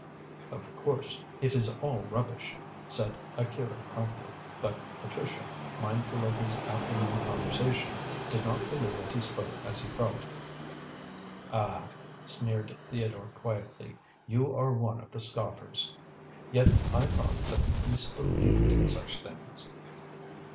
"Of course; it is all rubbish," said Akira promptly; but Patricia, mindful of his afternoon conversation, did not believe that he spoke as he felt. "Ah!" sneered Theodore quietly, "you are one of the scoffers. Yet I thought that the East believed in such things."